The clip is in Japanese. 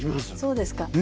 そうですかはい。